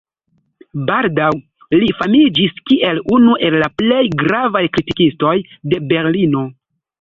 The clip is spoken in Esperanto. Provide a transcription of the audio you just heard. Baldaŭ li famiĝis kiel unu el la plej gravaj kritikistoj de Berlino.